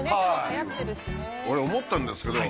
俺思ったんですけど。